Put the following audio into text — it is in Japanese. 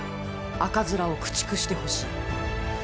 赤面を駆逐してほしい！